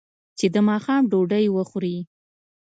چې د ماښام ډوډۍ وخوري.